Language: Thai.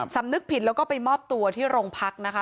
สำนึกผิดแล้วก็ไปมอบตัวที่โรงพักนะคะ